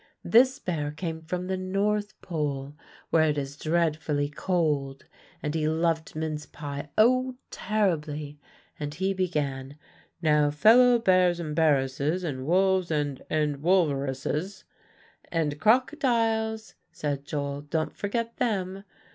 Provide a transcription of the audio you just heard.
This bear came from the North Pole, where it is dreadfully cold. And he loved mince pie, oh, terribly! And he began, 'Now, fellow bears and bearesses, and wolves, and and wolveresses.'" "And crocodiles," said Joel; "don't forget them."